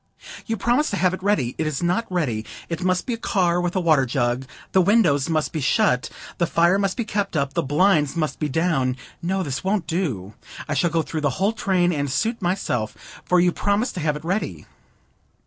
"You promised to have it ready. It is not ready. It must be a car with a water jar, the windows must be shut, the fire must be kept up, the blinds must be down. No, this won't do. I shall go through the whole train, and suit myself, for you promised to have it ready.